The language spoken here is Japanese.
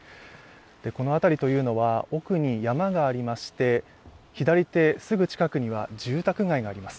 この辺りというのは奥に山がありまして、左手すぐ近くには住宅街があります。